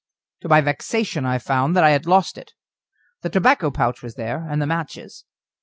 To my vexation I found that I had lost it. The tobacco pouch was there, and the matches.